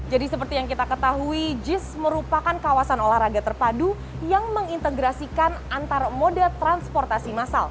jadi seperti yang kita ketahui jis merupakan kawasan olahraga terpadu yang mengintegrasikan antar mode transportasi massal